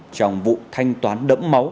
trong vụ thanh toán đẫm máu